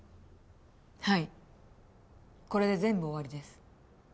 はいこれで全部終わりです。